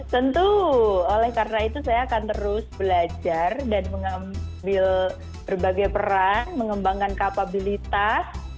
tentu oleh karena itu saya akan terus belajar dan mengambil berbagai peran mengembangkan kapabilitas